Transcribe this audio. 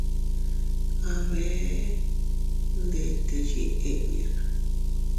A bee ndete yiʼi inña.